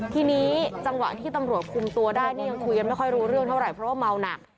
ทีนี้จังหวะที่ตำรวจคุมตัวได้นี่ยังคุยกันไม่ค่อยรู้เรื่องเท่าไหร่เพราะว่าเมาหนัก